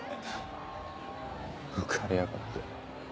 浮かれやがって。